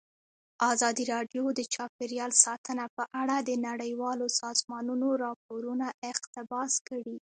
ازادي راډیو د چاپیریال ساتنه په اړه د نړیوالو سازمانونو راپورونه اقتباس کړي.